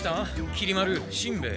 きり丸しんべヱ。